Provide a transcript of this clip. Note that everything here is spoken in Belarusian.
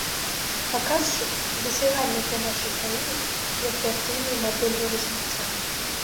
Паказчык, недасягальны для нашай краіны з інфляцыйнай мадэллю развіцця.